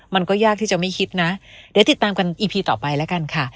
มันก็ยากที่จะไม่คิดนะเดี๋ยวติดตามกันอีพีต่อไปแล้วกันค่ะ